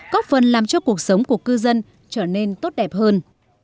có phần làm cho cuộc sống của cư dân trở nên tốt đẹp hơn